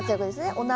お鍋。